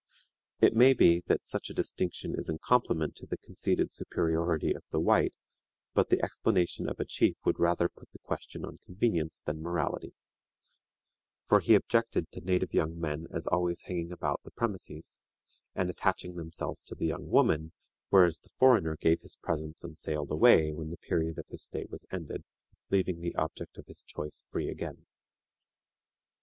It may be that such a distinction is in compliment to the conceded superiority of the white; but the explanation of a chief would rather put the question on convenience than morality, for he objected to native young men as always hanging about the premises, and attaching themselves to the young woman, whereas the foreigner gave his presents and sailed away when the period of his stay was ended, leaving the object of his choice free again.